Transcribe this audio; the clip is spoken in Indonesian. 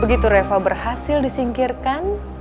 begitu reva berhasil disingkirkan